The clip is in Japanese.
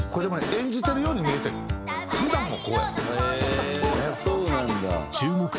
「演じてるように見えて普段もこうやで」